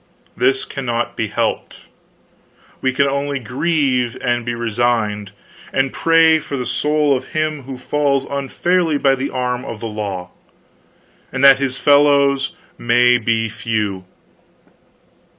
This cannot be helped. We can only grieve, and be resigned, and pray for the soul of him who falls unfairly by the arm of the law, and that his fellows may be few.